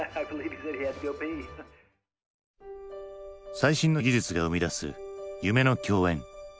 最新の技術が生み出す夢の共演。